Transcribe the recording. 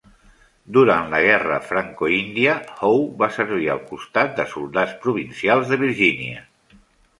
Durant la guerra franco-índia, Howe va servir al costat de soldats provincials de Virgínia.